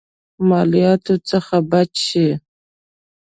مالياتو څخه بچ شي.